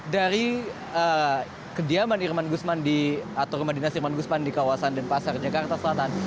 dari kediaman irman gusman atau rumah dinas irman gusman di kawasan denpasar jakarta selatan